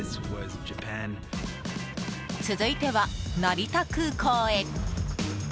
続いては、成田空港へ。